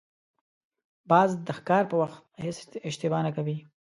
باز د ښکار په وخت هېڅ اشتباه نه کوي